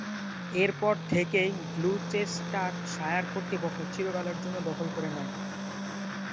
এরপর থেকেই গ্লুচেস্টারশায়ার কর্তৃপক্ষ চিরকালের জন্য দখল করে নেয়।